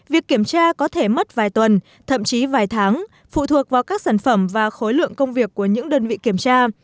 việc kiểm tra có thể mất vài tuần thậm chí vài tháng phụ thuộc vào các sản phẩm và khối lượng công việc của những đơn vị kiểm tra